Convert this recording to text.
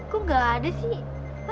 gua gak ada sih